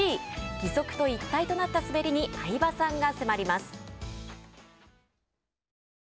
義足と一体となった滑りに相葉さんが迫ります。